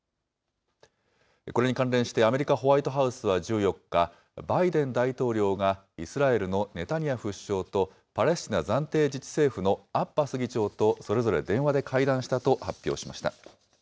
これに関連してアメリカ・ホワイトハウスは１４日、バイデン大統領がイスラエルのネタニヤフ首相とパレスチナ暫定自治政府のアッバス議長とそれぞれ電話で会談したと発表しました。